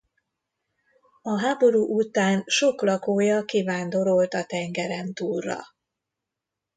A háború után sok lakója kivándorolt a tengerentúlra.